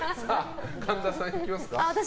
神田さん、いきますか。